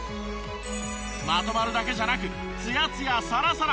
まとまるだけじゃなくツヤツヤサラサラ。